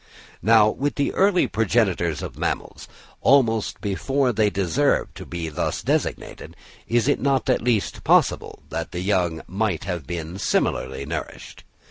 Now, with the early progenitors of mammals, almost before they deserved to be thus designated, is it not at least possible that the young might have been similarly nourished?